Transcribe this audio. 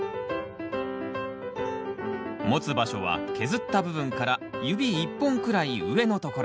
持つ場所は削った部分から指１本くらい上のところ。